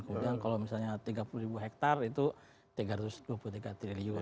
kemudian kalau misalnya tiga puluh ribu hektare itu tiga ratus dua puluh tiga triliun